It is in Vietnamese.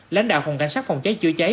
lãnh đạo phòng cảnh sát phòng trái chữa trái